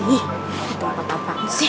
ih itu apa apaan sih